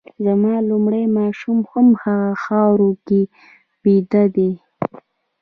زما لومړی ماشوم هم په هغه خاوره کي بیده دی